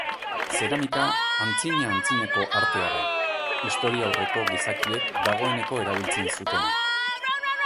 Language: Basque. Zeramika antzina-antzinako artea da, historiaurreko gizakiek dagoeneko erabiltzen zutena.